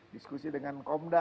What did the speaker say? diskusi dengan komda